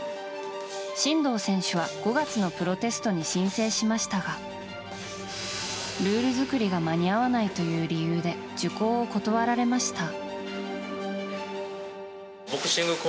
真道選手は５月のプロテストに申請しましたがルール作りが間に合わないという理由で受講を断られました。